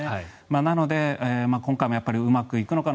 なので、今回もうまくいくのかな